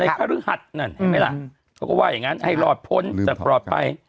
ในฮรือหัฏนั่นเห็นไหมละเขาก็ว่าอย่างงั้นให้รอดพ้นแต่ปลอดไป